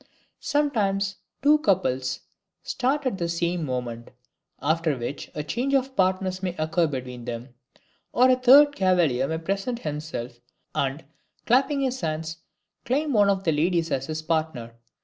Sometimes, two couples start at the same moment, after which a change of partners may occur between them; or a third cavalier may present himself, and, clapping his hands, claim one of the ladies as his partner.